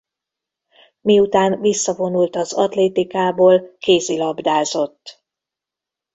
Miután visszavonult az atlétikából kézilabdázott.